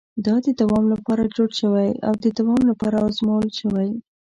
دا د دوام لپاره جوړ شوی او د دوام لپاره ازمول شوی.